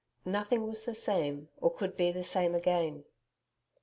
.... Nothing was the same, or could be the same again.